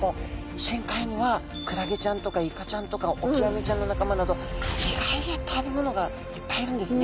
深海にはクラゲちゃんとかイカちゃんとかオキアミちゃんの仲間など意外な食べ物がいっぱいいるんですね。